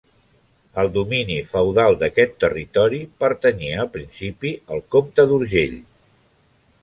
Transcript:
El domini feudal d'aquest territori pertanyia al principi al comte d'Urgell.